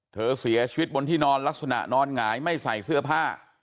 เสียชีวิตบนที่นอนลักษณะนอนหงายไม่ใส่เสื้อผ้า